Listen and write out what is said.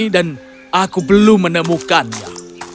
dan aku belum menemukannya